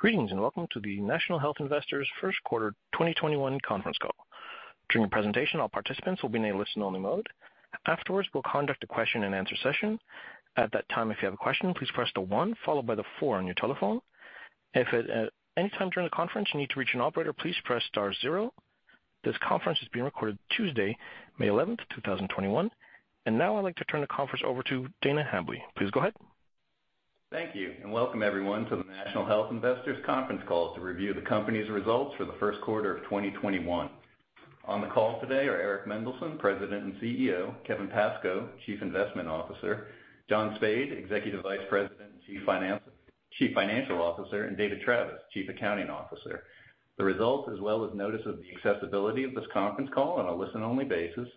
Greetings, and welcome to the National Health Investors first quarter 2021 conference call. During the presentation, all participants will be in a listen-only mode. Afterwards, we’ll conduct a question-and-answer session. At that time, if you have a question, please press the one, followed by the four in your telephone. Anytime during the conference, you need to reach an operator, please press star zero. This conference is being recorded Tuesday, May 11, 2021. Now I'd like to turn the conference over to Dana Hambly. Please go ahead. Thank you, and welcome everyone to the National Health Investors conference call to review the company's results for the first quarter of 2021. On the call today are Eric Mendelsohn, President and CEO, Kevin Pascoe, Chief Investment Officer, John Spaid, Executive Vice President and Chief Financial Officer, and David Travis, Chief Accounting Officer. The results, as well as notice of the accessibility of this conference call on a listen-only basis,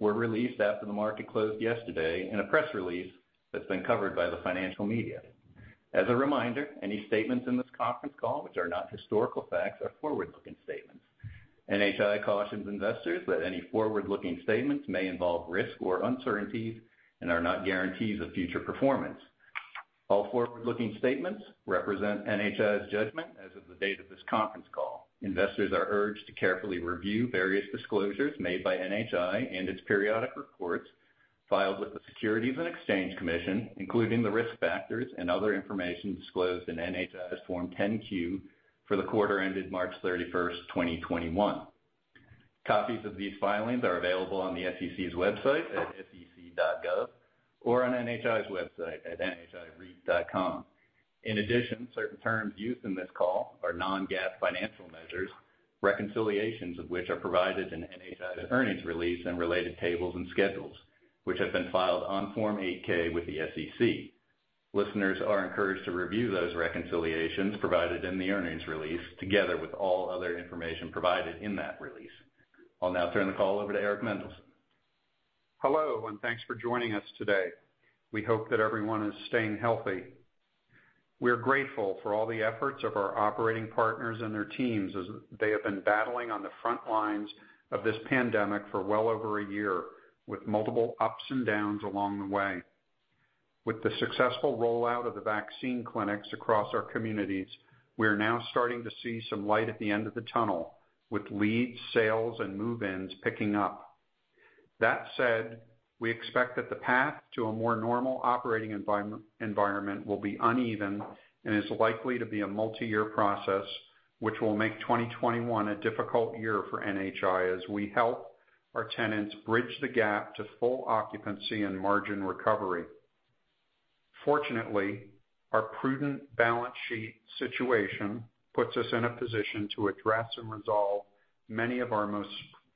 were released after the market closed yesterday in a press release that's been covered by the financial media. As a reminder, any statements in this conference call which are not historical facts are forward-looking statements. NHI cautions investors that any forward-looking statements may involve risk or uncertainties and are not guarantees of future performance. All forward-looking statements represent NHI's judgment as of the date of this conference call. Investors are urged to carefully review various disclosures made by NHI and its periodic reports filed with the Securities and Exchange Commission, including the risk factors and other information disclosed in NHI's Form 10-Q for the quarter ended March 31, 2021. Copies of these filings are available on the SEC's website at sec.gov or on NHI's website at nhireit.com. In addition, certain terms used in this call are non-GAAP financial measures, reconciliations of which are provided in NHI's earnings release and related tables and schedules, which have been filed on Form 8-K with the SEC. Listeners are encouraged to review those reconciliations provided in the earnings release together with all other information provided in that release. I'll now turn the call over to Eric Mendelsohn. Hello, and thanks for joining us today. We hope that everyone is staying healthy. We're grateful for all the efforts of our operating partners and their teams as they have been battling on the front lines of this pandemic for well over a year with multiple ups and downs along the way. With the successful rollout of the vaccine clinics across our communities, we are now starting to see some light at the end of the tunnel with leads, sales, and move-ins picking up. That said, we expect that the path to a more normal operating environment will be uneven and is likely to be a multi-year process, which will make 2021 a difficult year for NHI as we help our tenants bridge the gap to full occupancy and margin recovery. Fortunately, our prudent balance sheet situation puts us in a position to address and resolve many of our most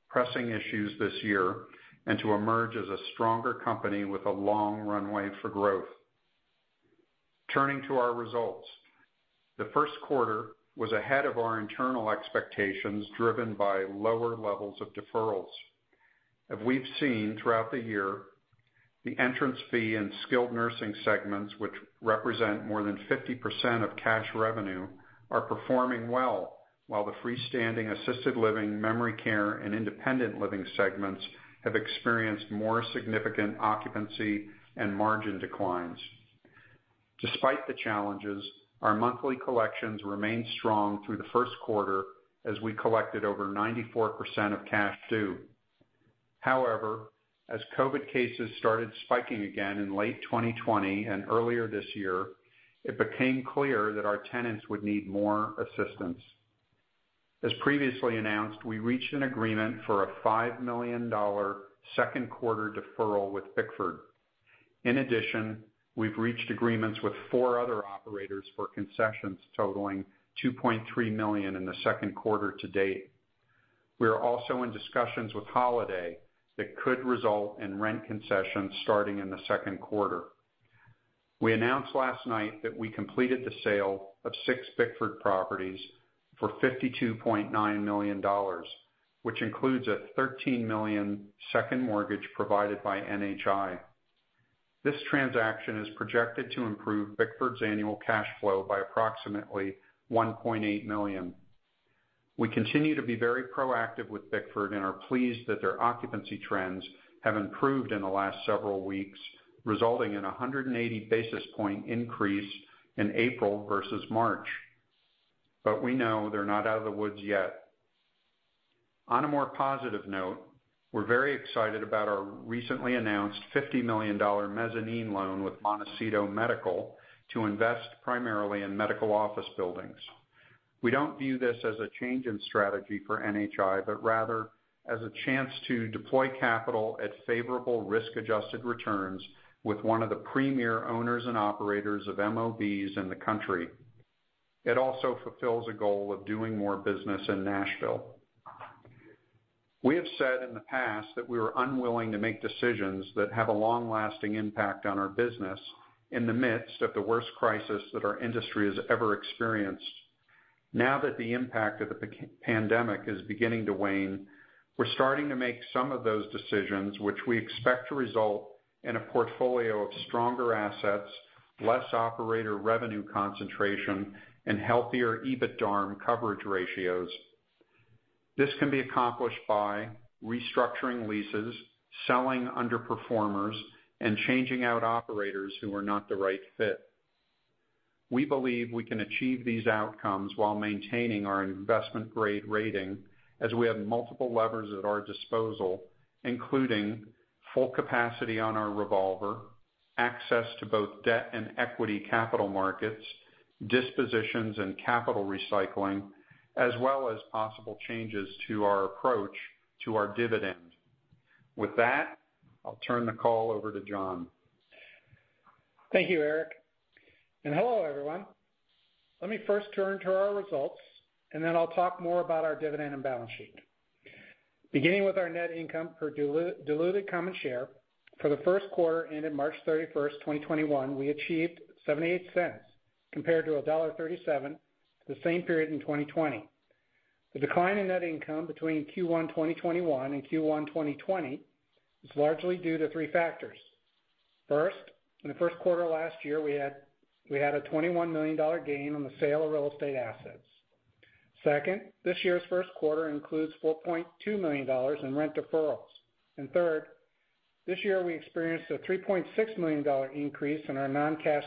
pressing issues this year and to emerge as a stronger company with a long runway for growth. Turning to our results. The first quarter was ahead of our internal expectations, driven by lower levels of deferrals. As we've seen throughout the year, the entrance fee and skilled nursing segments, which represent more than 50% of cash revenue, are performing well, while the freestanding assisted living, memory care, and independent living segments have experienced more significant occupancy and margin declines. Despite the challenges, our monthly collections remained strong through the first quarter as we collected over 94% of cash due. However, as COVID cases started spiking again in late 2020 and earlier this year, it became clear that our tenants would need more assistance. As previously announced, we reached an agreement for a $5 million second quarter deferral with Bickford. In addition, we've reached agreements with four other operators for concessions totaling $2.3 million in the second quarter to date. We are also in discussions with Holiday that could result in rent concessions starting in the second quarter. We announced last night that we completed the sale of six Bickford properties for $52.9 million, which includes a $13 million second mortgage provided by NHI. This transaction is projected to improve Bickford's annual cash flow by approximately $1.8 million. We continue to be very proactive with Bickford and are pleased that their occupancy trends have improved in the last several weeks, resulting in 180 basis point increase in April versus March. We know they're not out of the woods yet. On a more positive note, we're very excited about our recently announced $50 million mezzanine loan with Montecito Medical to invest primarily in medical office buildings. We don't view this as a change in strategy for NHI, but rather as a chance to deploy capital at favorable risk-adjusted returns with one of the premier owners and operators of MOBs in the country. It also fulfills a goal of doing more business in Nashville. We have said in the past that we are unwilling to make decisions that have a long-lasting impact on our business in the midst of the worst crisis that our industry has ever experienced. Now that the impact of the pandemic is beginning to wane, we're starting to make some of those decisions, which we expect to result in a portfolio of stronger assets, less operator revenue concentration, and healthier EBITDARM coverage ratios. This can be accomplished by restructuring leases, selling underperformers, and changing out operators who are not the right fit. We believe we can achieve these outcomes while maintaining our investment grade rating, as we have multiple levers at our disposal, including full capacity on our revolver, access to both debt and equity capital markets, dispositions and capital recycling, as well as possible changes to our approach to our dividend. With that, I'll turn the call over to John. Thank you, Eric. Hello, everyone. Let me first turn to our results, and then I'll talk more about our dividend and balance sheet. Beginning with our net income per diluted common share for the first quarter ended March 31st, 2021, we achieved $0.78 compared to $1.37 the same period in 2020. The decline in net income between Q1 2021 and Q1 2020 is largely due to three factors. First, in the first quarter last year, we had a $21 million gain on the sale of real estate assets. Second, this year's first quarter includes $4.2 million in rent deferrals. Third, this year we experienced a $3.6 million increase in our non-cash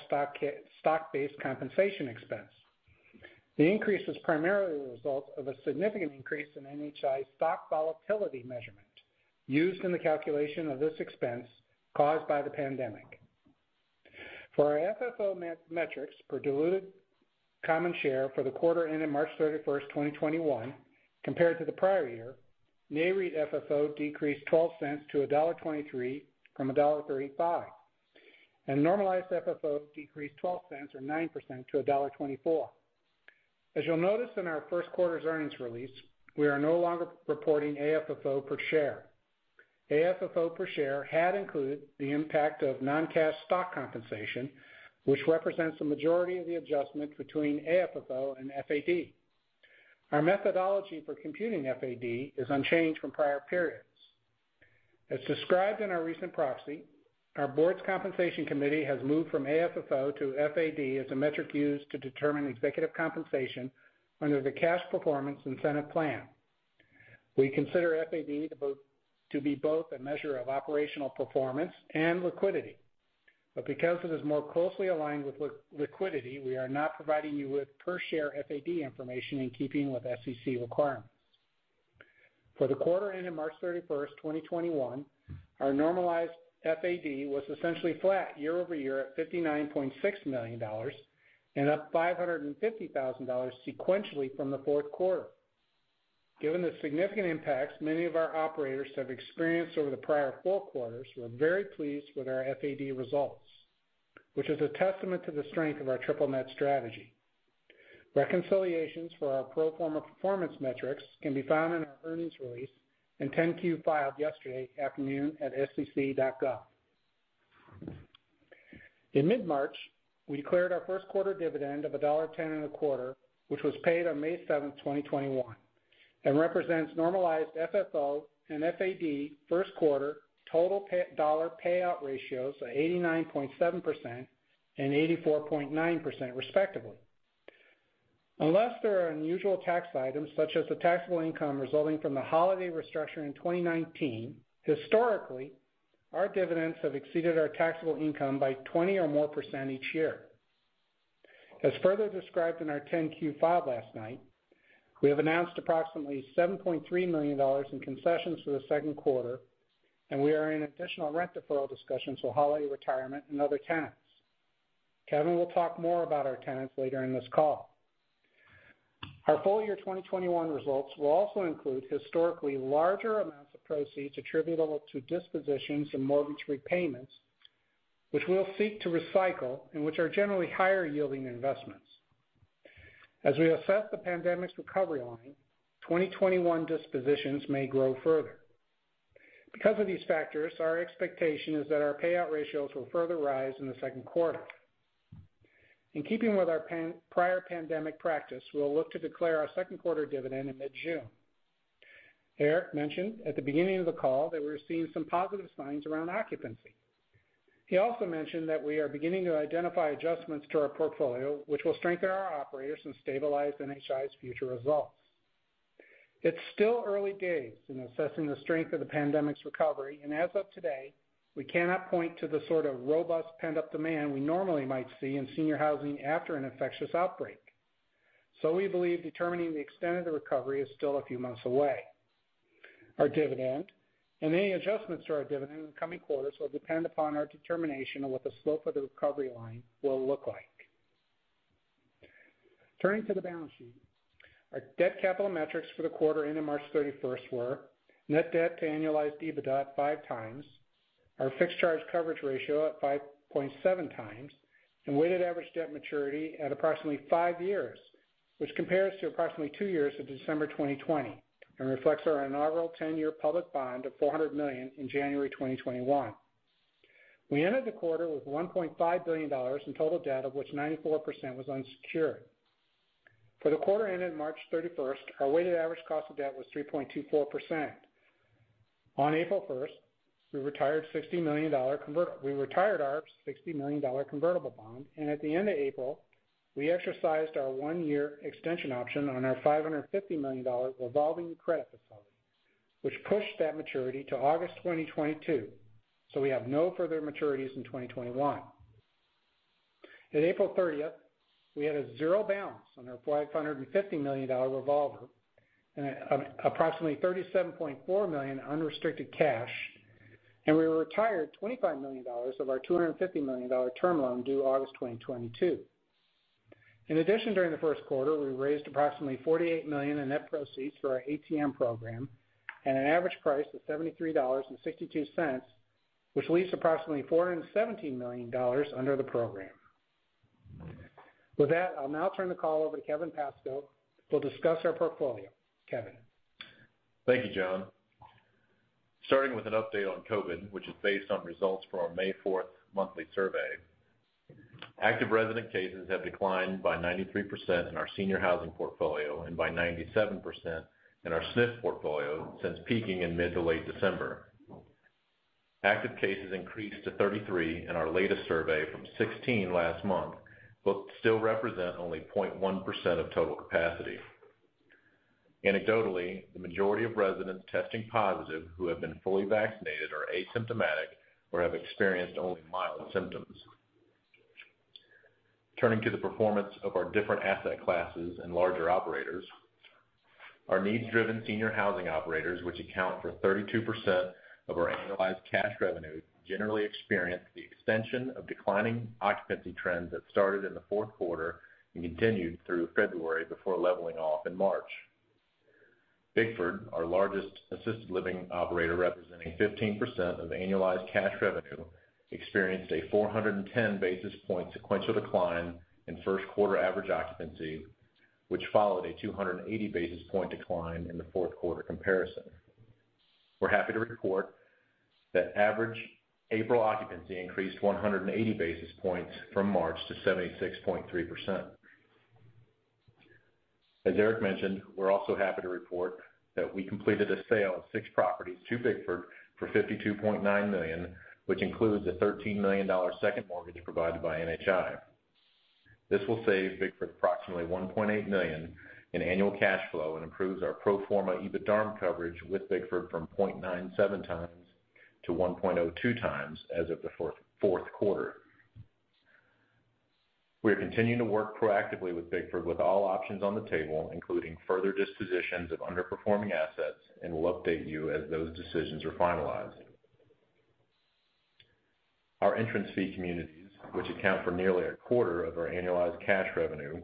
stock-based compensation expense. The increase was primarily the result of a significant increase in NHI's stock volatility measurement used in the calculation of this expense caused by the pandemic. For our FFO metrics per diluted common share for the quarter ended March 31st, 2021 compared to the prior year, Nareit FFO decreased $0.12 to $1.23 from $1.35, and normalized FFO decreased $0.12 or 9% to $1.24. As you'll notice in our first quarter's earnings release, we are no longer reporting AFFO per share. AFFO per share had included the impact of non-cash stock compensation, which represents the majority of the adjustment between AFFO and FAD. Our methodology for computing FAD is unchanged from prior periods. As described in our recent proxy, our board's compensation committee has moved from AFFO to FAD as a metric used to determine executive compensation under the cash performance incentive plan. We consider FAD to be both a measure of operational performance and liquidity. Because it is more closely aligned with liquidity, we are not providing you with per share FAD information in keeping with SEC requirements. For the quarter ended March 31st, 2021, our normalized FAD was essentially flat year-over-year at $59.6 million, and up $550,000 sequentially from the fourth quarter. Given the significant impacts many of our operators have experienced over the prior four quarters, we're very pleased with our FAD results, which is a testament to the strength of our triple net strategy. Reconciliations for our pro forma performance metrics can be found in our earnings release and 10-Q filed yesterday afternoon at sec.gov. In mid-March, we declared our first quarter dividend of $1.10 a quarter, which was paid on May 7th, 2021, and represents normalized FFO and FAD first quarter total dollar payout ratios of 89.7% and 84.9% respectively. Unless there are unusual tax items such the taxable income resulting from the Holiday restructuring in 2019, historically, our dividends have exceeded our taxable income by 20% or more each year. As further described in our Form 10-Q filed last night, we have announced approximately $7.3 million in concessions for the second quarter, and we are in additional rent deferral discussions with Holiday Retirement and other tenants. Kevin will talk more about our tenants later in this call. Our full year 2021 results will also include historically larger amounts of proceeds attributable to dispositions and mortgage repayments, which we'll seek to recycle and which are generally higher yielding investments. As we assess the pandemic's recovery line, 2021 dispositions may grow further. Because of these factors, our expectation is that our payout ratios will further rise in the second quarter. In keeping with our prior pandemic practice, we'll look to declare our second quarter dividend in mid-June. Eric mentioned at the beginning of the call that we're seeing some positive signs around occupancy. He also mentioned that we are beginning to identify adjustments to our portfolio, which will strengthen our operators and stabilize NHI's future results. It's still early days in assessing the strength of the pandemic's recovery, and as of today, we cannot point to the sort of robust pent-up demand we normally might see in senior housing after an infectious outbreak. We believe determining the extent of the recovery is still a few months away. Our dividend and any adjustments to our dividend in the coming quarters will depend upon our determination of what the slope of the recovery line will look like. Turning to the balance sheet. Our debt capital metrics for the quarter ended March 31st were net debt to annualized EBITDA 5x, our fixed charge coverage ratio at 5.7x, and weighted average debt maturity at approximately five years, which compares to approximately two years at December 2020 and reflects our inaugural 10-year public bond of $400 million in January 2021. We ended the quarter with $1.5 billion in total debt, of which 94% was unsecured. For the quarter ended March 31st, our weighted average cost of debt was 3.24%. On April 1st, we retired our $60 million convertible bond, and at the end of April, we exercised our one-year extension option on our $550 million revolving credit facility, which pushed that maturity to August 2022, so we have no further maturities in 2021. At April 30th, we had a zero balance on our $550 million revolver and approximately $37.4 million unrestricted cash, and we retired $25 million of our $250 million term loan due August 2022. In addition, during the first quarter, we raised approximately $48 million in net proceeds for our ATM program at an average price of $73.62, which leaves approximately $417 million under the program. With that, I'll now turn the call over to Kevin Pascoe, who will discuss our portfolio. Kevin? Thank you, John. Starting with an update on COVID, which is based on results from our May 4th monthly survey. Active resident cases have declined by 93% in our senior housing portfolio and by 97% in our SNF portfolio since peaking in mid to late December. Active cases increased to 33 in our latest survey from 16 last month, still represent only 0.1% of total capacity. Anecdotally, the majority of residents testing positive who have been fully vaccinated are asymptomatic or have experienced only mild symptoms. Turning to the performance of our different asset classes and larger operators. Our needs-driven senior housing operators, which account for 32% of our [annualized] cash revenue, generally experience the extension of declining occupancy trends that started in the fourth quarter and continued through February before leveling off in March. Bickford, our largest assisted living operator, representing 15% of annualized cash revenue, experienced a 410 basis point sequential decline in first quarter average occupancy, which followed a 280 basis point decline in the fourth quarter comparison. We're happy to report that average April occupancy increased 180 basis points from March to 76.3%. As Eric mentioned, we're also happy to report that we completed a sale of six properties to Bickford for $52.9 million, which includes a $13 million second mortgage provided by NHI. This will save Bickford approximately $1.8 million in annual cash flow and improves our pro forma EBITDARM coverage with Bickford from 0.97x to 1.02x as of the fourth quarter. We are continuing to work proactively with Bickford with all options on the table, including further dispositions of underperforming assets, will update you as those decisions are finalized. Our entrance fee communities, which account for nearly a quarter of our annualized cash revenue,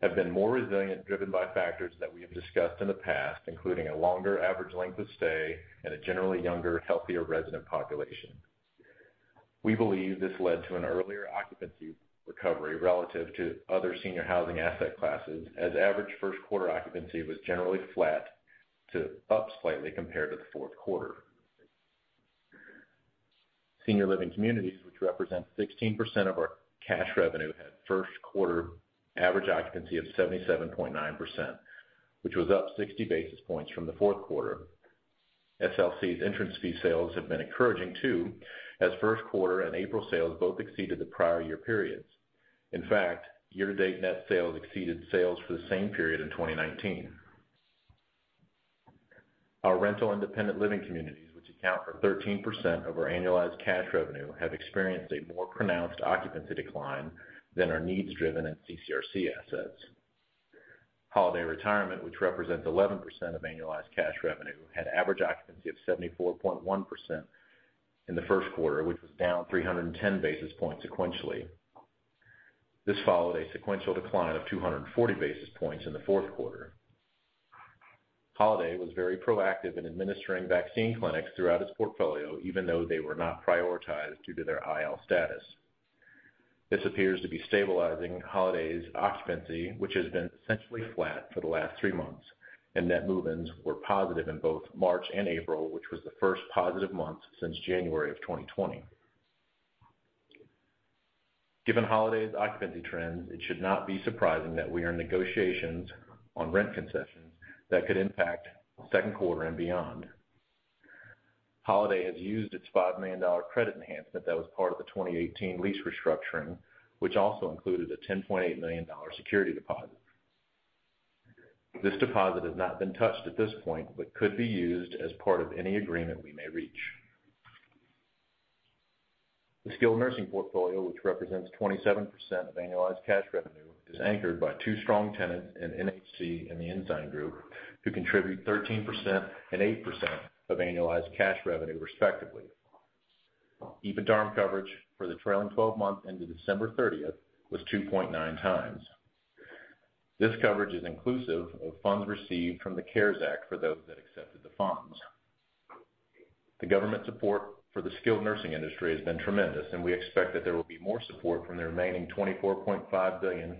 have been more resilient, driven by factors that we have discussed in the past, including a longer average length of stay and a generally younger, healthier resident population. We believe this led to an earlier occupancy recovery relative to other senior housing asset classes, as average first-quarter occupancy was generally flat to up slightly compared to the fourth quarter. Senior Living Communities, which represent 16% of our cash revenue, had first quarter average occupancy of 77.9%, which was up 60 basis points from the fourth quarter. SLC's entrance fee sales have been encouraging too, as first quarter and April sales both exceeded the prior year periods. In fact, year-to-date net sales exceeded sales for the same period in 2019. Our rental independent living communities, which account for 13% of our annualized cash revenue, have experienced a more pronounced occupancy decline than our needs driven and CCRC assets. Holiday Retirement, which represents 11% of annualized cash revenue, had average occupancy of 74.1% in the first quarter, which was down 310 basis points sequentially. This followed a sequential decline of 240 basis points in the fourth quarter. Holiday was very proactive in administering vaccine clinics throughout its portfolio, even though they were not prioritized due to their IL status. This appears to be stabilizing Holiday's occupancy, which has been essentially flat for the last three months, and net move-ins were positive in both March and April, which was the first positive month since January of 2020. Given Holiday's occupancy trends, it should not be surprising that we are in negotiations on rent concessions that could impact the second quarter and beyond. Holiday has used its $5 million credit enhancement that was part of the 2018 lease restructuring, which also included a $10.8 million security deposit. This deposit has not been touched at this point, but could be used as part of any agreement we may reach. The skilled nursing portfolio, which represents 27% of annualized cash revenue, is anchored by two strong tenants in NHC and The Ensign Group, who contribute 13% and 8% of annualized cash revenue respectively. EBITDARM coverage for the trailing 12 months ended December 30th was 2.9x. This coverage is inclusive of funds received from the CARES Act for those that accepted the funds. The government support for the skilled nursing industry has been tremendous. We expect that there will be more support from the remaining $24.5 billion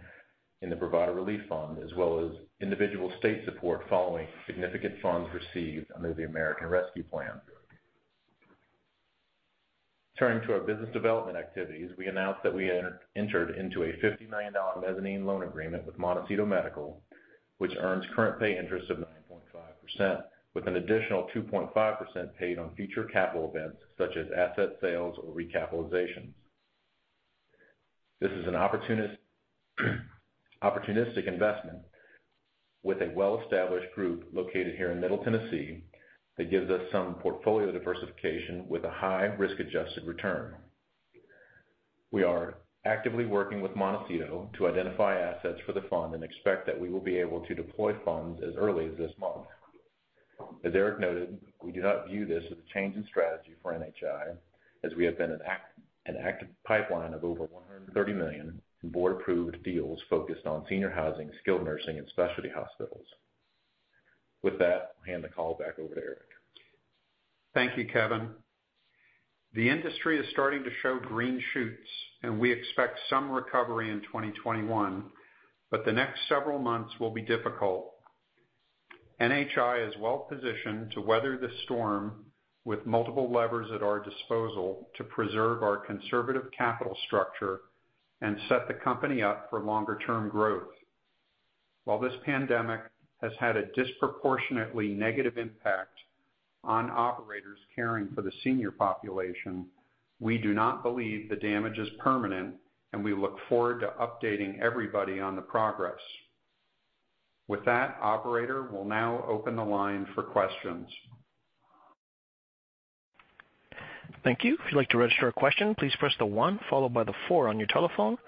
in the Provider Relief Fund, as well as individual state support following significant funds received under the American Rescue Plan. Turning to our business development activities, we announced that we entered into a $50 million mezzanine loan agreement with Montecito Medical, which earns current pay interest of 9.5%, with an additional 2.5% paid on future capital events such as asset sales or recapitalizations. This is an opportunistic investment with a well-established group located here in Middle Tennessee that gives us some portfolio diversification with a high risk-adjusted return. We are actively working with Montecito to identify assets for the fund. We expect that we will be able to deploy funds as early as this month. As Eric noted, we do not view this as a change in strategy for NHI, as we have an active pipeline of over $130 million in board-approved deals focused on senior housing, skilled nursing, and specialty hospitals. With that, I'll hand the call back over to Eric. Thank you, Kevin. The industry is starting to show green shoots, and we expect some recovery in 2021, but the next several months will be difficult. NHI is well-positioned to weather this storm with multiple levers at our disposal to preserve our conservative capital structure and set the company up for longer-term growth. While this pandemic has had a disproportionately negative impact on operators caring for the senior population, we do not believe the damage is permanent, and we look forward to updating everybody on the progress. With that, Operator, we'll now open the line for questions. Thank you. If you'd like to register a question, please press the one followed by the four on your telephone.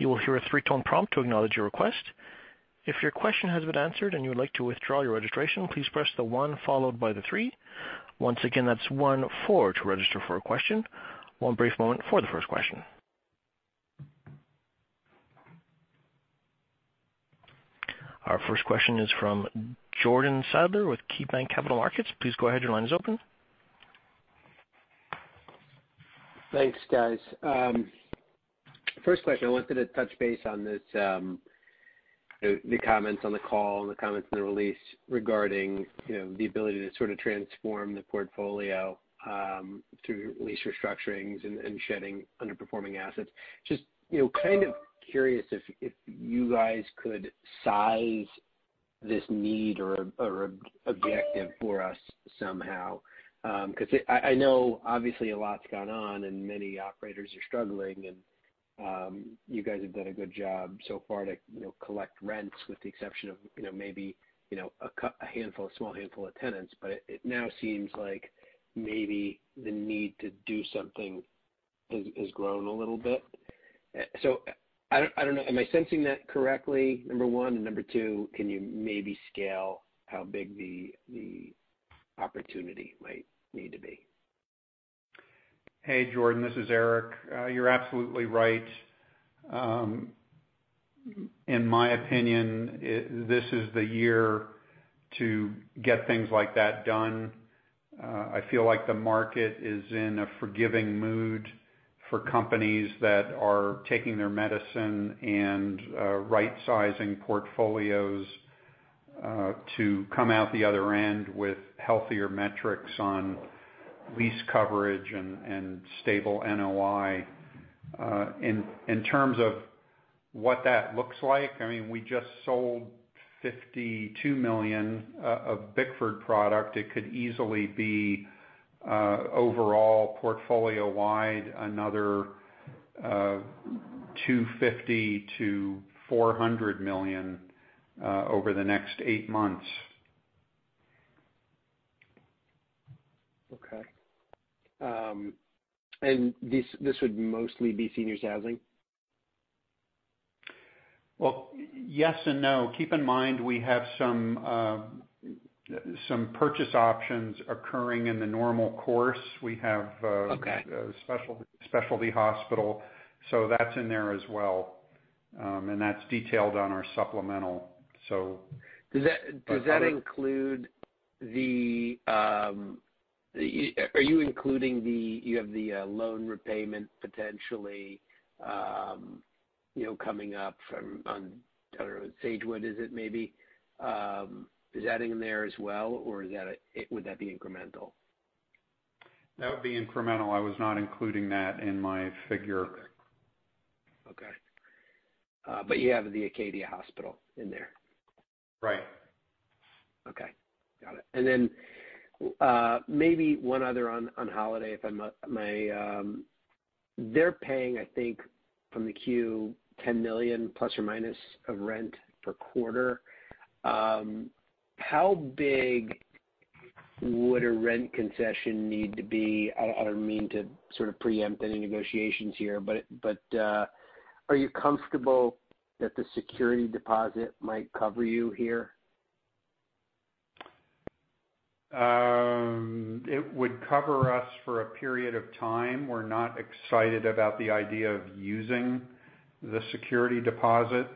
You will hear a three-tone prompt to acknowledge your request. If your question has been answered and you would like to withdraw your registration, please press the one followed by the three. Once again, that's one, four to register for a question. One brief moment for the first question. Our first question is from Jordan Sadler with KeyBanc Capital Markets. Please go ahead. Your line is open. Thanks, guys. First question, I wanted to touch base on the comments on the call and the comments in the release regarding the ability to sort of transform the portfolio through lease restructurings and shedding underperforming assets. Just kind of curious if you guys could size this need or objective for us somehow. Because I know obviously a lot's gone on and many operators are struggling, and you guys have done a good job so far to collect rents with the exception of maybe a small handful of tenants. But it now seems like maybe the need to do something has grown a little bit. I don't know, am I sensing that correctly, number one? Number two, can you maybe scale how big the opportunity might need to be? Hey, Jordan, this is Eric. You are absolutely right. In my opinion, this is the year to get things like that done. I feel like the market is in a forgiving mood for companies that are taking their medicine and right-sizing portfolios to come out the other end with healthier metrics on lease coverage and stable NOI. In terms of what that looks like, we just sold $52 million of Bickford product. It could easily be overall portfolio wide, another $250 million-$400 million over the next eight months. Okay. This would mostly be senior housing? Well, yes and no. Keep in mind, we have some purchase options occurring in the normal course. We have a specialty hospital, so that's in there as well. That's detailed on our supplemental. Are you including the loan repayment potentially coming up on, I don't know, Sagewood is it maybe? Is that in there as well, or would that be incremental? That would be incremental. I was not including that in my figure. Okay. You have the Acadia Hospital in there? Right. Okay. Got it. Maybe one other on Holiday. They're paying, I think, from the Q, $10 million plus or minus of rent per quarter. How big would a rent concession need to be? I don't mean to sort of preempt any negotiations here, but are you comfortable that the security deposit might cover you here? It would cover us for a period of time. We're not excited about the idea of using the security deposit.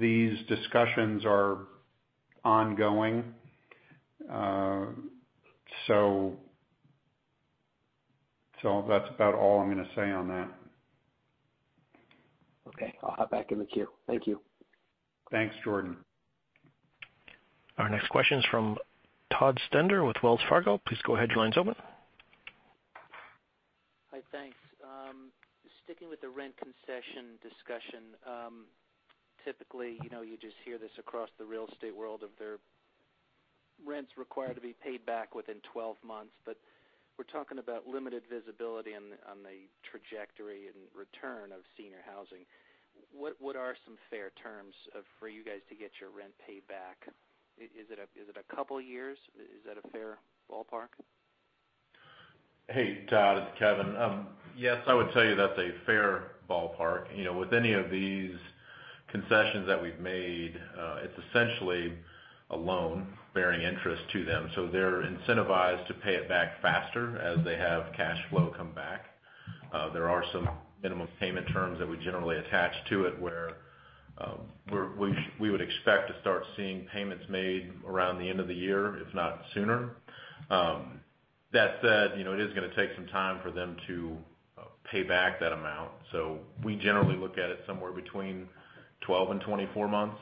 These discussions are ongoing. That's about all I'm going to say on that. Okay. I'll hop back in the queue. Thank you. Thanks, Jordan. Our next question is from Todd Stender with Wells Fargo. Please go ahead. Your line's open. Hi. Thanks. Sticking with the rent concession discussion. Typically, you just hear this across the real estate world of their rents required to be paid back within 12 months, but we're talking about limited visibility on the trajectory and return of senior housing. What are some fair terms for you guys to get your rent paid back? Is it a couple of years? Is that a fair ballpark? Hey, Todd, it's Kevin. Yes, I would tell you that's a fair ballpark. With any of these concessions that we've made, it's essentially a loan-bearing interest to them. They're incentivized to pay it back faster as they have cash flow come back. There are some minimum payment terms that we generally attach to it, where we would expect to start seeing payments made around the end of the year, if not sooner. That said, it is going to take some time for them to pay back that amount. We generally look at it somewhere between 12 and 24 months.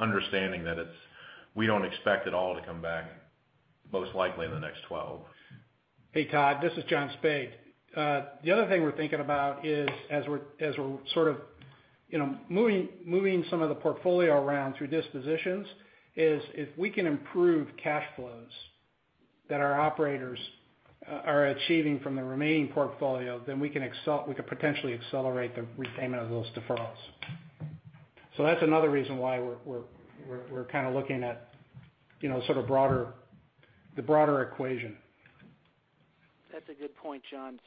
Understanding that we don't expect it all to come back, most likely in the next 12. Hey, Todd, this is John Spaid. The other thing we're thinking about is as we're sort of moving some of the portfolio around through dispositions is if we can improve cash flows that our operators are achieving from the remaining portfolio, then we could potentially accelerate the repayment of those deferrals. That's another reason why we're kind of looking at the broader equation. That's a good point, John.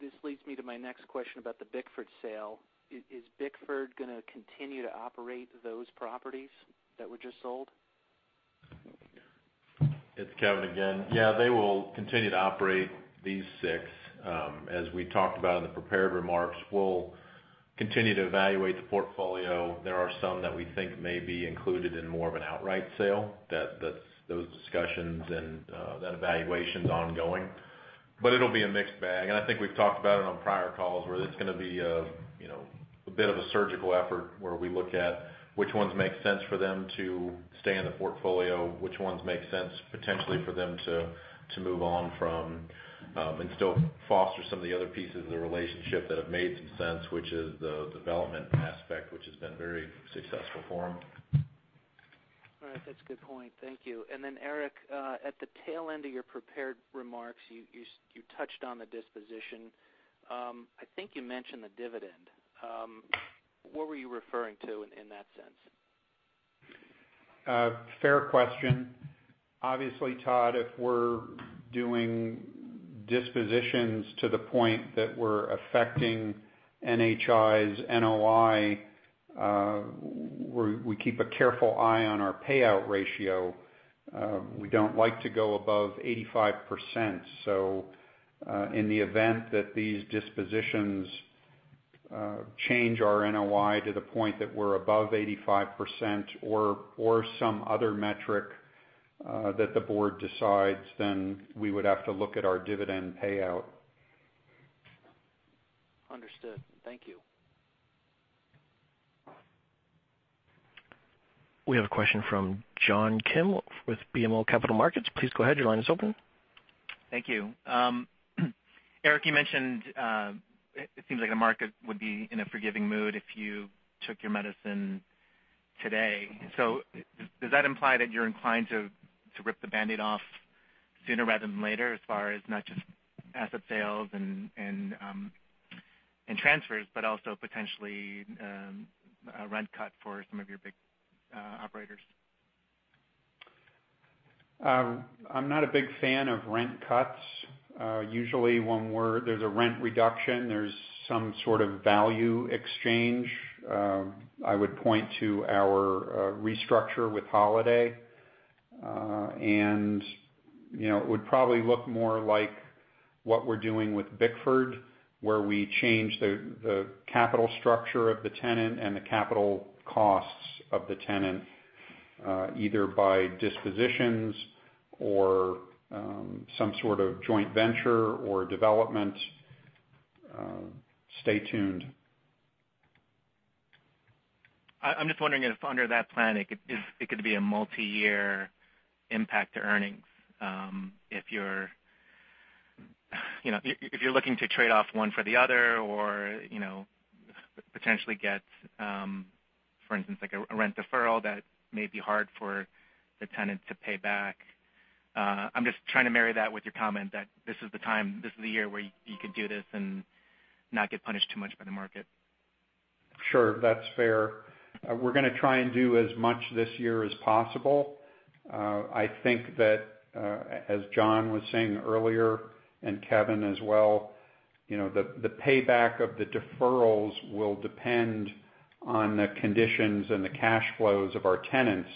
This leads me to my next question about the Bickford sale. Is Bickford going to continue to operate those properties that were just sold? It's Kevin again. Yeah, they will continue to operate these six. As we talked about in the prepared remarks, we'll continue to evaluate the portfolio. There are some that we think may be included in more of an outright sale, those discussions and that evaluation's ongoing. It'll be a mixed bag, and I think we've talked about it on prior calls, where it's going to be a bit of a surgical effort, where we look at which ones make sense for them to stay in the portfolio, which ones make sense potentially for them to move on from, and still foster some of the other pieces of the relationship that have made some sense, which is the development aspect, which has been very successful for them. All right. That's a good point. Thank you. Eric, at the tail end of your prepared remarks, you touched on the disposition. I think you mentioned the dividend. What were you referring to in that sense? Fair question. Obviously, Todd, if we're doing dispositions to the point that we're affecting NHI's NOI, we keep a careful eye on our payout ratio. We don't like to go above 85%. In the event that these dispositions change our NOI to the point that we're above 85% or some other metric that the board decides, then we would have to look at our dividend payout. Understood. Thank you. We have a question from John Kim with BMO Capital Markets. Please go ahead. Your line is open. Thank you. Eric, you mentioned it seems like the market would be in a forgiving mood if you took your medicine today. Does that imply that you're inclined to rip the Band-Aid off sooner rather than later, as far as not just asset sales and transfers, but also potentially a rent cut for some of your big operators? I'm not a big fan of rent cuts. Usually when there's a rent reduction, there's some sort of value exchange. I would point to our restructure with Holiday. It would probably look more like what we're doing with Bickford, where we change the capital structure of the tenant and the capital costs of the tenant, either by dispositions or some sort of joint venture or development. Stay tuned. I'm just wondering if under that plan, it could be a multi-year impact to earnings. If you're looking to trade off one for the other or potentially get for instance, like a rent deferral that may be hard for the tenant to pay back. I'm just trying to marry that with your comment that this is the time, this is the year where you could do this and not get punished too much by the market Sure. That's fair. We're going to try and do as much this year as possible. I think that as John was saying earlier, and Kevin as well, the payback of the deferrals will depend on the conditions and the cash flows of our tenants,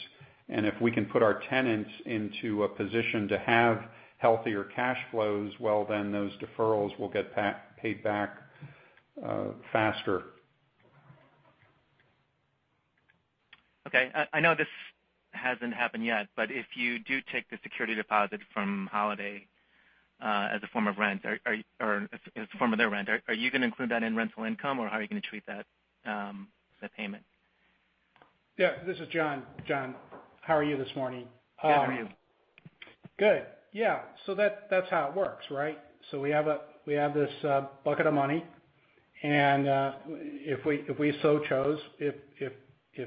and if we can put our tenants into a position to have healthier cash flows, well, then those deferrals will get paid back faster. Okay. I know this hasn't happened yet, but if you do take the security deposit from Holiday as a form of their rent, are you going to include that in rental income, or how are you going to treat that payment? Yeah. This is John. John, how are you this morning? Good. How are you? Good. Yeah. That's how it works, right? We have this bucket of money, and if we so chose, if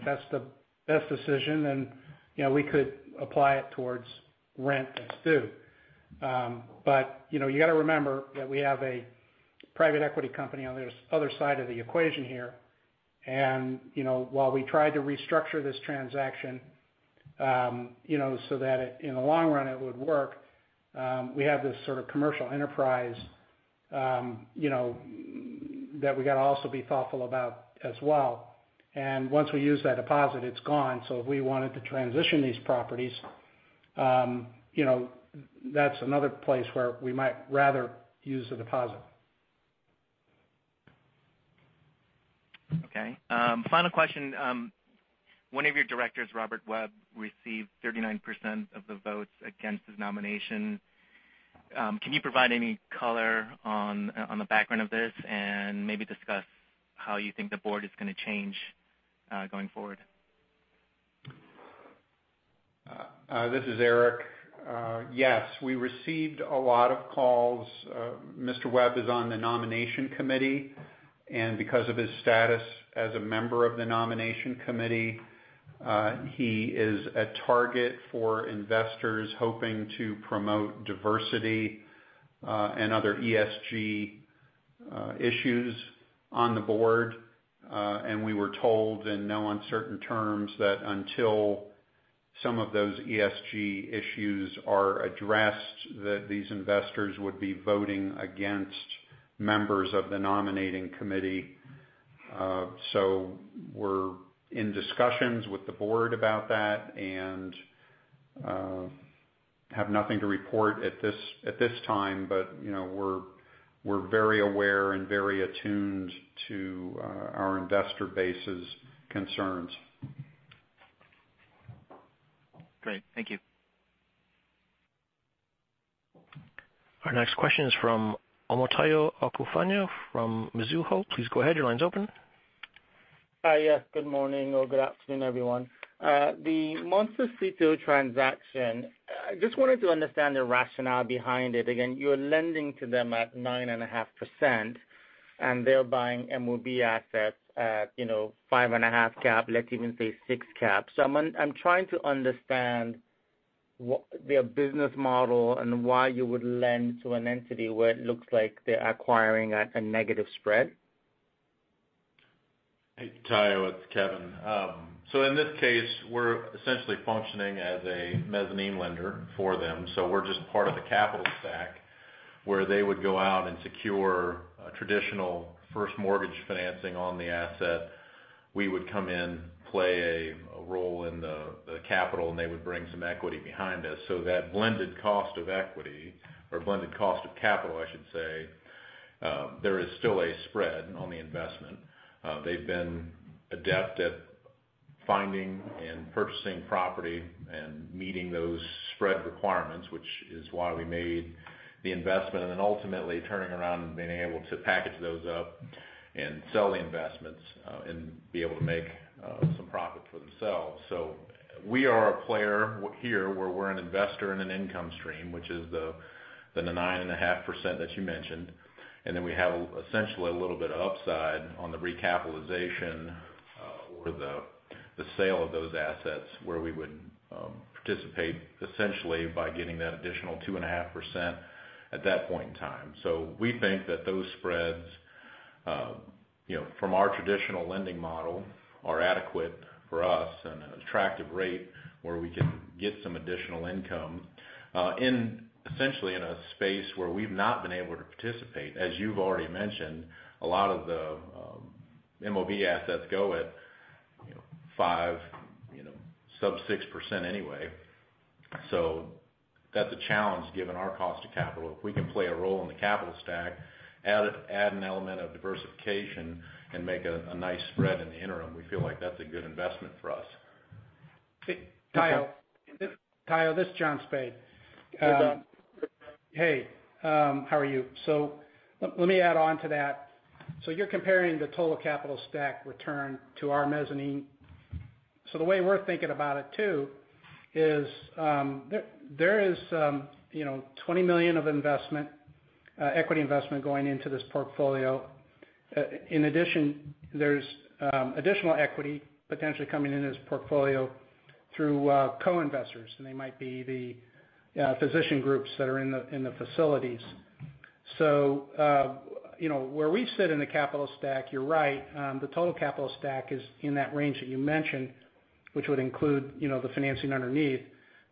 that's the best decision, then we could apply it towards rent that's due. You've got to remember that we have a private equity company on the other side of the equation here. While we tried to restructure this transaction so that in the long run it would work, we have this sort of commercial enterprise that we've got to also be thoughtful about as well. Once we use that deposit, it's gone. If we wanted to transition these properties, that's another place where we might rather use the deposit. Okay. Final question. One of your directors, Robert Webb, received 39% of the votes against his nomination. Can you provide any color on the background of this and maybe discuss how you think the board is going to change going forward? This is Eric. Yes. We received a lot of calls. Mr. Webb is on the nomination committee. Because of his status as a member of the nomination committee, he is a target for investors hoping to promote diversity and other ESG issues on the board. We were told in no uncertain terms that until some of those ESG issues are addressed, that these investors would be voting against members of the nominating committee. We're in discussions with the board about that and have nothing to report at this time. We're very aware and very attuned to our investor base's concerns. Great. Thank you. Our next question is from Omotayo Okusanya from Mizuho. Please go ahead. Your line's open. Hi. Yes. Good morning or good afternoon, everyone. The Montecito transaction, I just wanted to understand the rationale behind it. Again, you're lending to them at 9.5%, and they're buying MOB assets at 5.5 cap, let's even say 6 cap. I'm trying to understand their business model and why you would lend to an entity where it looks like they're acquiring at a negative spread. Hey, Tayo, it's Kevin. In this case, we're essentially functioning as a mezzanine lender for them. We're just part of the capital stack where they would go out and secure a traditional first mortgage financing on the asset. We would come in, play a role in the capital, and they would bring some equity behind us. That blended cost of equity or blended cost of capital, I should say, there is still a spread on the investment. They've been adept at finding and purchasing property and meeting those spread requirements, which is why we made the investment, and then ultimately turning around and being able to package those up and sell the investments, and be able to make some profit for themselves. We are a player here where we're an investor in an income stream, which is the 9.5% that you mentioned. Then we have essentially a little bit of upside on the recapitalization for the sale of those assets where we would participate essentially by getting that additional 2.5% at that point in time. We think that those spreads from our traditional lending model are adequate for us and an attractive rate where we can get some additional income essentially in a space where we've not been able to participate. As you've already mentioned, a lot of the MOB assets go at 5%, sub 6% anyway. That's a challenge given our cost of capital. If we can play a role in the capital stack, add an element of diversification and make a nice spread in the interim, we feel like that's a good investment for us. Tayo. This is John Spaid. Hey, John. Hey, how are you? Let me add on to that. You're comparing the total capital stack return to our mezzanine. The way we're thinking about it too is there is $20 million of equity investment going into this portfolio. In addition, there's additional equity potentially coming into this portfolio through co-investors, and they might be the physician groups that are in the facilities. Where we sit in the capital stack, you're right, the total capital stack is in that range that you mentioned, which would include the financing underneath.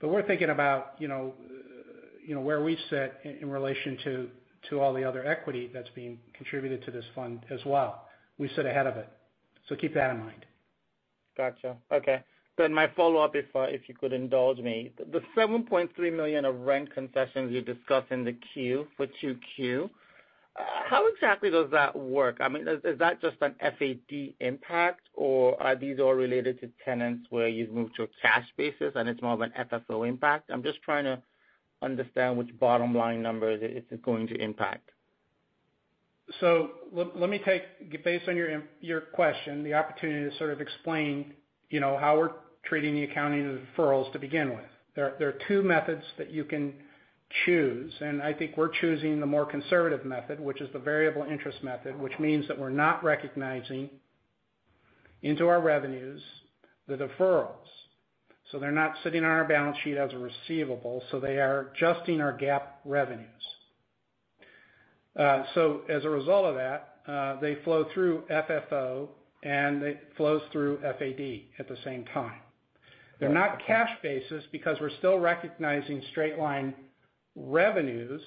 We're thinking about where we sit in relation to all the other equity that's being contributed to this fund as well. We sit ahead of it. Keep that in mind. Got you. Okay. My follow-up, if you could indulge me. The $7.3 million of rent concessions you discussed in the Q for 2Q. How exactly does that work? Is that just an FAD impact, or are these all related to tenants where you've moved to a cash basis and it's more of an FFO impact? I'm just trying to understand which bottom line numbers it is going to impact. Let me take, based on your question, the opportunity to sort of explain how we're treating the accounting of the deferrals to begin with. There are two methods that you can choose, and I think we're choosing the more conservative method, which is the variable interest method, which means that we're not recognizing into our revenues, the deferrals. They're not sitting on our balance sheet as a receivable, so they are adjusting our GAAP revenues. As a result of that, they flow through FFO and it flows through FAD at the same time. They're not cash basis because we're still recognizing straight-line revenues,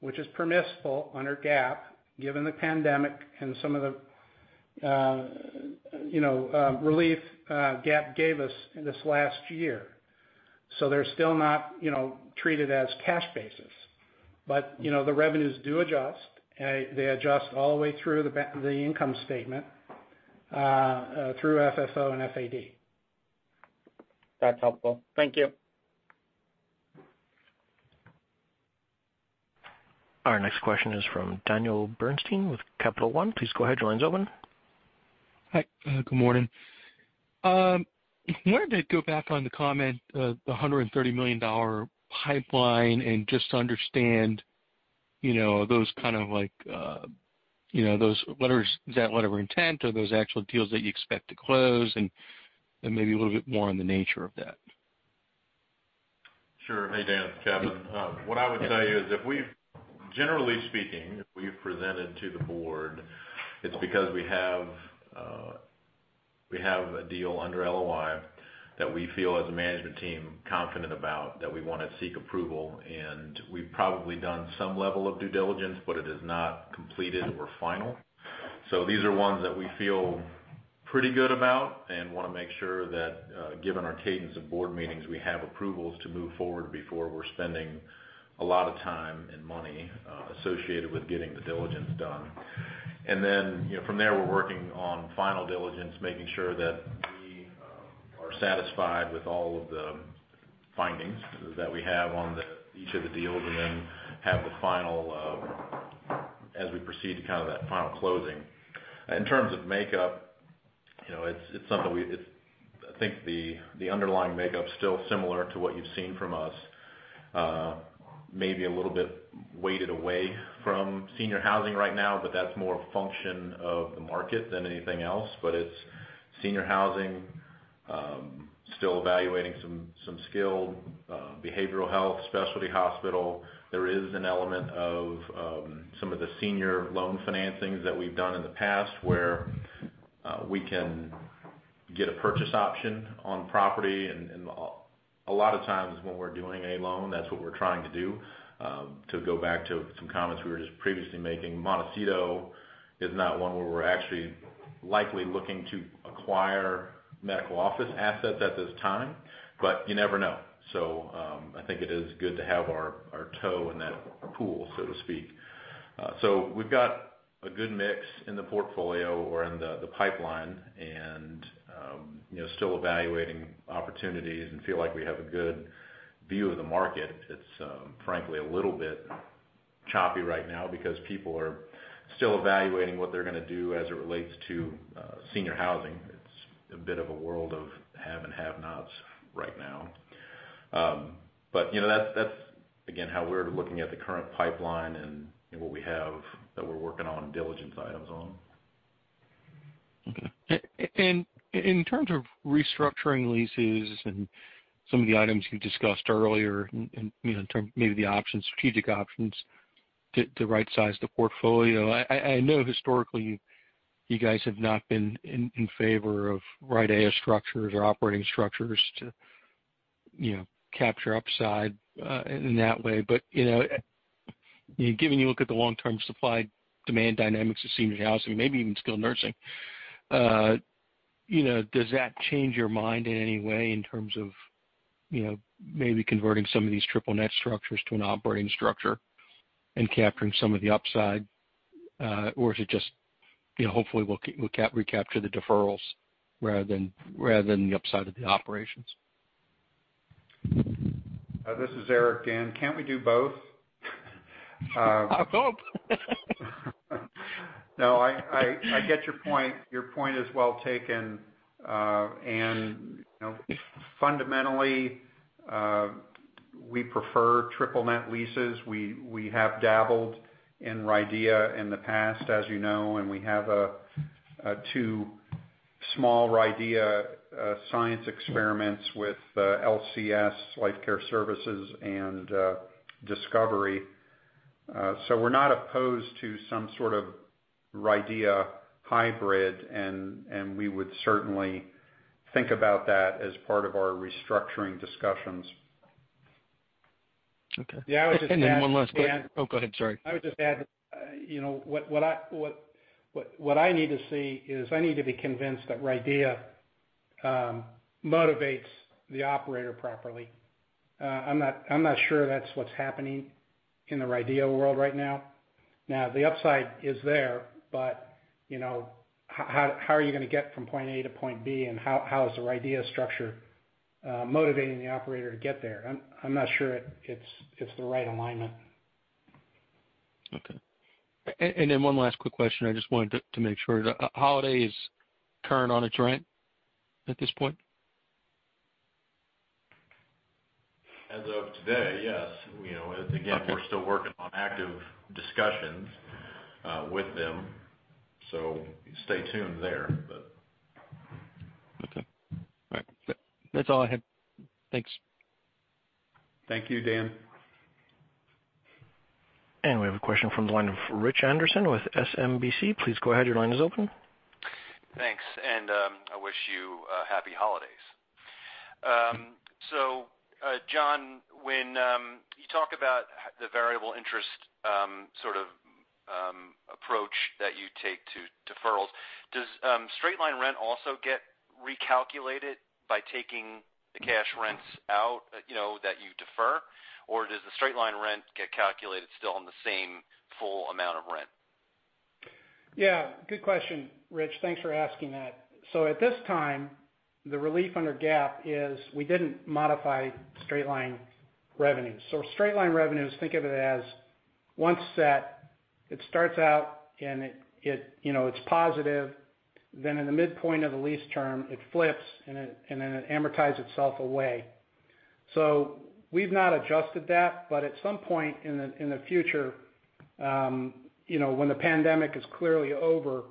which is permissible under GAAP, given the pandemic and some of the relief GAAP gave us in this last year. They're still not treated as cash basis. The revenues do adjust. They adjust all the way through the income statement, through FFO and FAD. That's helpful. Thank you. Our next question is from Daniel Bernstein with Capital One. Please go ahead. Your line's open. Hi. Good morning. I wanted to go back on the comment, the $130 million pipeline, and just understand you know, those kind of like, you know those letters of intent or those actual deals that you expect to close, and maybe a little bit more on the nature of that? Sure. Hey, Dan, it's Kevin. What I would say is, generally speaking, if we've presented to the board, it's because we have a deal under LOI that we feel as a management team confident about, that we want to seek approval, and we've probably done some level of due diligence, but it is not completed or final. These are ones that we feel pretty good about and want to make sure that, given our cadence of board meetings, we have approvals to move forward before we're spending a lot of time and money associated with getting the diligence done. From there, we're working on final diligence, making sure that we are satisfied with all of the findings that we have on each of the deals, and then have the final as we proceed to kind of that final closing. In terms of makeup, I think the underlying makeup's still similar to what you've seen from us. Maybe a little bit weighted away from senior housing right now, that's more a function of the market than anything else. It's senior housing, still evaluating some skilled behavioral health, specialty hospital. There is an element of some of the senior loan financings that we've done in the past where we can get a purchase option on property, and a lot of times when we're doing a loan, that's what we're trying to do. To go back to some comments we were just previously making, Montecito is not one where we're actually likely looking to acquire medical office assets at this time, but you never know. I think it is good to have our toe in that pool, so to speak. We've got a good mix in the portfolio or in the pipeline and still evaluating opportunities and feel like we have a good view of the market. It's frankly a little bit choppy right now because people are still evaluating what they're going to do as it relates to senior housing. It's a bit of a world of have and have-nots right now. That's, again, how we're looking at the current pipeline and what we have that we're working on diligence items on. Okay. In terms of restructuring leases and some of the items you discussed earlier in terms maybe the strategic options to right-size the portfolio. I know historically you guys have not been in favor of RIDEA structures or operating structures to capture upside in that way. Given you look at the long-term supply demand dynamics of senior housing, maybe even skilled nursing, does that change your mind in any way in terms of maybe converting some of these triple net structures to an operating structure and capturing some of the upside? Is it just hopefully we'll recapture the deferrals rather than the upside of the operations? This is Eric, Dan. Can't we do both? I hope. No, I get your point. Your point is well taken. Fundamentally, we prefer triple net leases. We have dabbled in RIDEA in the past, as you know, and we have two small RIDEA science experiments with LCS, Life Care Services, and Discovery. We're not opposed to some sort of RIDEA hybrid, and we would certainly think about that as part of our restructuring discussions. Okay. Yeah, I would just add. One last question. Oh, go ahead, sorry. I would just add, what I need to see is I need to be convinced that RIDEA motivates the operator properly. I'm not sure that's what's happening in the RIDEA world right now. Now, the upside is there, but how are you going to get from point A to point B? How is the RIDEA structure motivating the operator to get there? I'm not sure it's the right alignment. Okay. One last quick question. I just wanted to make sure. Holiday is current on its rent at this point? As of today, yes. We're still working on active discussions with them, so stay tuned there. Okay. All right. That's all I had. Thanks. Thank you, Dan. We have a question from the line of Rich Anderson with SMBC. Please go ahead, your line is open. Thanks. I wish you happy holidays. John, when you talk about the variable interest sort of approach that you take to deferrals, does straight-line rent also get recalculated by taking the cash rents out that you defer? Does the straight-line rent get calculated still on the same full amount of rent? Yeah, good question, Rich. Thanks for asking that. At this time, the relief under GAAP is we didn't modify straight-line revenue. Straight-line revenues, think of it as once set, it starts out and it's positive. In the midpoint of the lease term, it flips, and then it amortizes itself away. We've not adjusted that. At some point in the future when the pandemic is clearly over,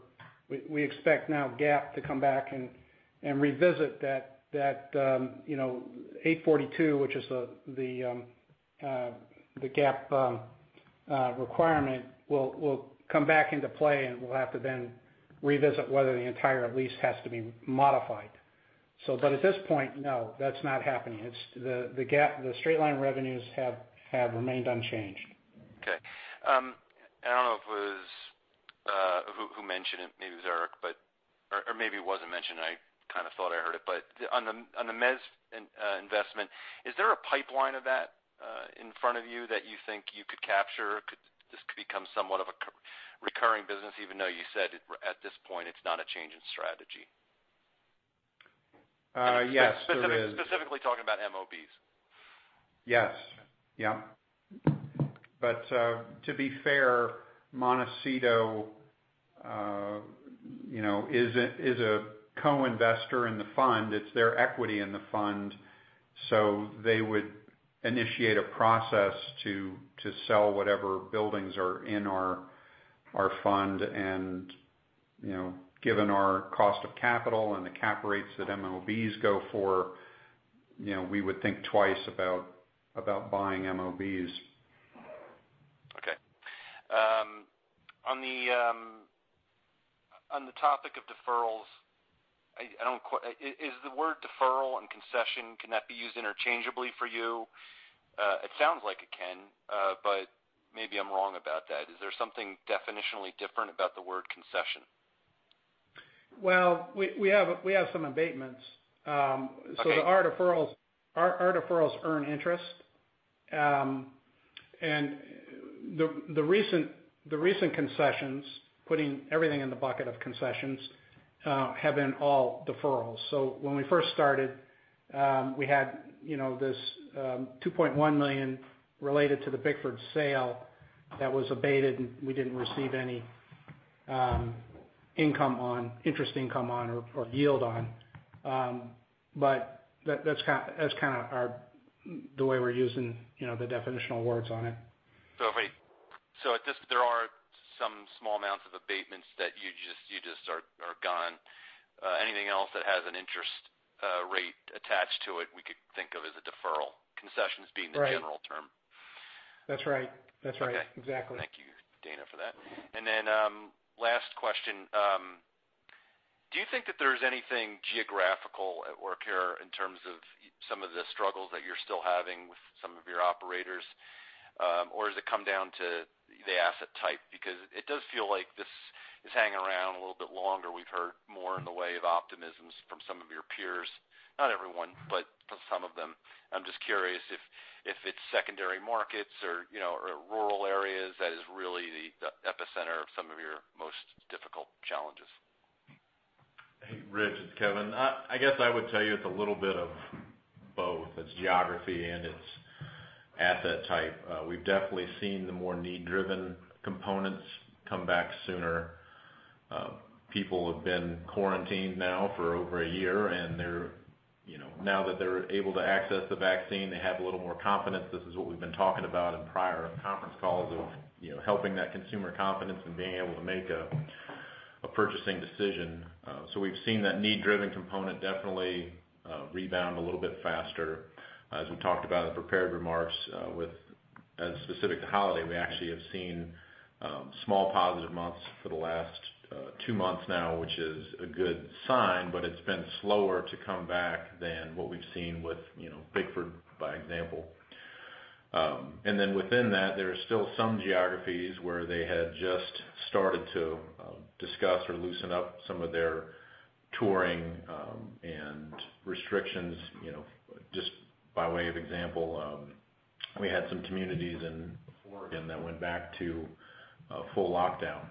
we expect new GAAP to come back and revisit that ASC 842, which is the GAAP requirement, will come back into play, and we'll have to then revisit whether the entire lease has to be modified. At this point, no, that's not happening. The straight-line revenues have remained unchanged. Okay. I don't know who mentioned it. Maybe it was Eric, or maybe it wasn't mentioned, I kind of thought I heard it. On the mezz investment, is there a pipeline of that in front of you that you think you could capture? Could this become somewhat of a recurring business, even though you said at this point it's not a change in strategy? Yes, there is. Specifically talking about MOBs. Yes. To be fair, Montecito is a co-investor in the fund. It's their equity in the fund. They would initiate a process to sell whatever buildings are in our fund. Given our cost of capital and the cap rates that MOBs go for, we would think twice about buying MOBs. Okay. On the topic of deferrals, is the word deferral and concession, can that be used interchangeably for you? It sounds like it can, but maybe I'm wrong about that. Is there something definitionally different about the word concession? Well, we have some abatements. Our deferrals earn interest. The recent concessions, putting everything in the bucket of concessions, have been all deferrals. When we first started, we had this $2.1 million related to the Bickford sale that was abated, and we didn't receive any interest income on or yield on. That's kind of the way we're using the definitional words on it. If there are some small amounts of abatements that you just are gone. Anything else that has an interest rate attached to it, we could think of as a deferral. Concessions being the general term. That's right. Exactly. Thank you for that. Last question. Do you think that there's anything geographical at work here in terms of some of the struggles that you're still having with some of your operators? Does it come down to the asset type? It does feel like this is hanging around a little bit longer. We've heard more in the way of optimisms from some of your peers. Not everyone, some of them. I'm just curious if it's secondary markets or rural areas that is really the epicenter of some of your most difficult challenges. Hey, Rich, it's Kevin. I guess I would tell you it's a little bit of both. It's geography and it's asset type. We've definitely seen the more need-driven components come back sooner. People have been quarantined now for over a year, and now that they're able to access the vaccine, they have a little more confidence. This is what we've been talking about in prior conference calls of helping that consumer confidence and being able to make a purchasing decision. We've seen that need-driven component definitely rebound a little bit faster. As we talked about in prepared remarks with specific to Holiday, we actually have seen small positive months for the last two months now, which is a good sign, but it's been slower to come. What we've seen with Bickford, by example. Within that, there are still some geographies where they had just started to discuss or loosen up some of their touring and restrictions. Just by way of example, we had some communities in Oregon that went back to a full lockdown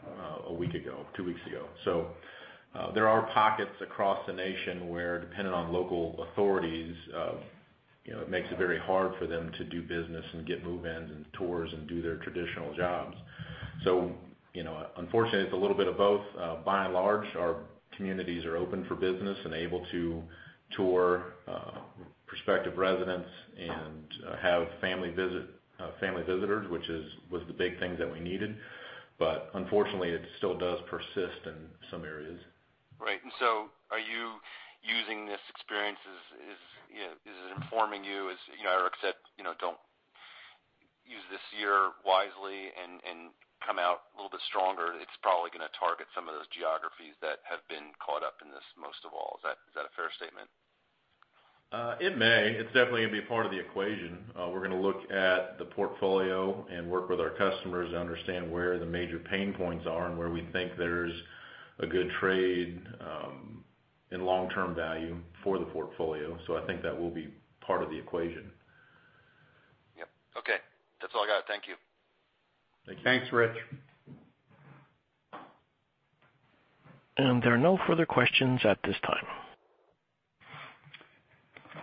one week ago, two weeks ago. There are pockets across the nation where, dependent on local authorities, it makes it very hard for them to do business and get move-ins and tours and do their traditional jobs. Unfortunately, it's a little bit of both. By and large, our communities are open for business and able to tour prospective residents and have family visitors, which was the big thing that we needed. Unfortunately, it still does persist in some areas. Right. Are you using this experience as, is it informing you? As Eric said, don't use this year wisely and come out a little bit stronger. It's probably going to target some of those geographies that have been caught up in this most of all. Is that a fair statement? It may. It's definitely going to be part of the equation. We're going to look at the portfolio and work with our customers to understand where the major pain points are and where we think there's a good trade in long-term value for the portfolio. I think that will be part of the equation. Yep. Okay. That's all I got. Thank you. Thank you. Thanks, Rich. There are no further questions at this time.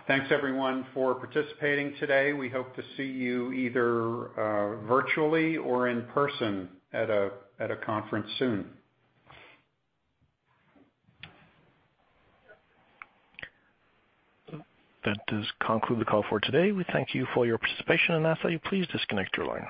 Thanks everyone for participating today. We hope to see you either virtually or in person at a conference soon. That does conclude the call for today. We thank you for your participation, and I ask that you please disconnect your line.